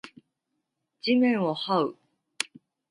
地面を這う